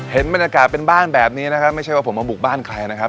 เห็นบรรยากาศเป็นบ้านแบบนี้นะครับไม่ใช่ว่าผมมาบุกบ้านใครนะครับ